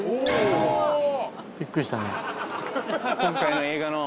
今回の映画の。